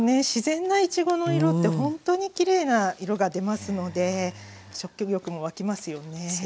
自然ないちごの色ってほんとにきれいな色が出ますので食欲も湧きますよね。